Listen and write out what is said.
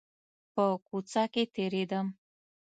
په کوڅه کښې تېرېدم .